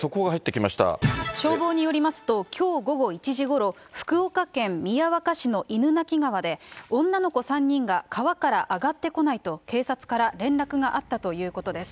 消防によりますと、きょう午後１時ごろ、福岡県宮若市の犬鳴川で、女の子３人が川から上がってこないと、警察から連絡があったということです。